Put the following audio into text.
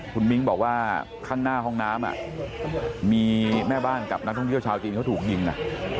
คุณมิ้งบอกว่าข้างหน้าห้องน้ำมีแม่บ้านกับนักท่องเที่ยวชาวจีนเขาถูกยิงนะ